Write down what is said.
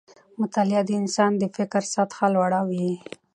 مطالعه د انسان د فکر سطحه لوړه وي